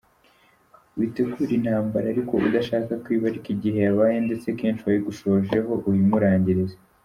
witegura intambara ariko udashaka ko iba, ariko igihe yabaye ndetse kenshi uwayigushojeho uyimurangirize.